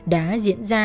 đã diễn ra